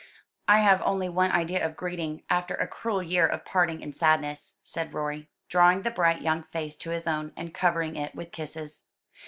'" "I have only one idea of greeting, after a cruel year of parting and sadness," said Rorie, drawing the bright young face to his own, and covering it with kisses.